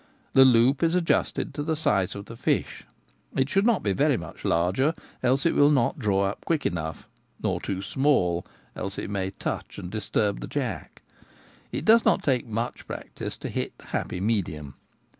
The loop is adjusted to the size of the fish — it should not be very much 1 82 The Gamekeeper at Home. larger, else it will not draw up quick enough, nor too small, else it may touch and disturb the jack. It does not take much practice to hit the happy medium.